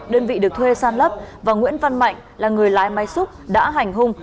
đơn vị được thuê san lấp và nguyễn văn mạnh là người lái máy xúc đã hành hung